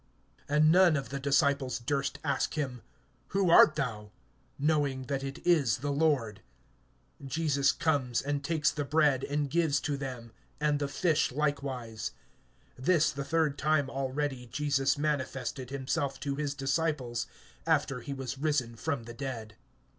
And none of the disciples durst ask him, Who art thou? knowing that it is the Lord. (13)Jesus comes, and takes the bread and gives to them, and the fish likewise. (14)This the third time already, Jesus manifested himself to his disciples, after he was risen from the dead.